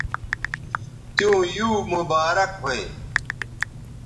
تیوں یو مبارک ھویں